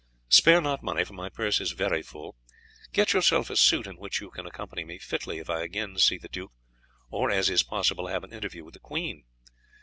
Spare not money, for my purse is very full. Get yourself a suit in which you can accompany me fitly if I again see the duke, or, as is possible, have an interview with the queen.